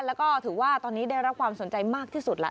แล้วก็ถือว่าตอนนี้ได้รับความสนใจมากที่สุดแล้ว